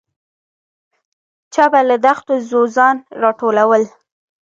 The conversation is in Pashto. چا به له دښتو ځوځان راټولول.